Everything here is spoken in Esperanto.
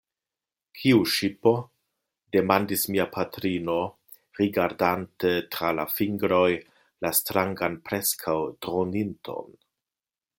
Kiu ŝipo? demandis mia patrino, rigardante tra la fingroj la strangan preskaŭ-droninton.